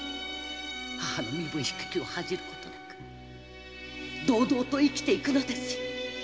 母の身分低きを恥じる事なく堂々と生きて行くのですよ